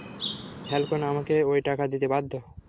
Falcone আমাকে ঐ টাকা দিতে বাধ্য।